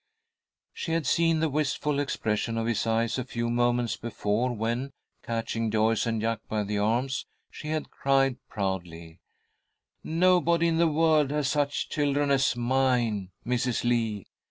She had seen the wistful expression of his eyes a few moments before when, catching Joyce and Jack by the arms, she had cried, proudly: "Nobody in the world has such children as mine, Mrs. Lee!